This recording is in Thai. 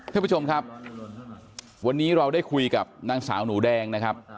ท่านผู้ชมครับวันนี้เราได้คุยกับนางสาวหนูแดงนะครับ